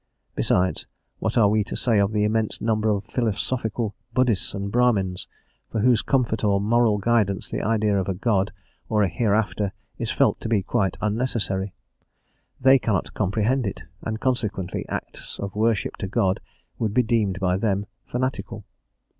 Besides, what are we to say of the immense number of philosophical Buddhists and Brahmins, for whose comfort or moral guidance the idea of a God or a hereafter is felt to be quite unnecessary? They cannot comprehend it, and consequently acts of worship to God would be deemed by them fanatical.